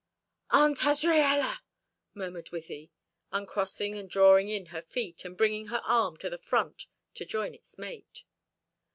"Aunt Azraella!" murmured Wythie, uncrossing and drawing in her feet, and bringing her arm to the front to join its mate.